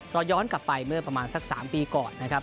ย้อนกลับไปเมื่อประมาณสัก๓ปีก่อนนะครับ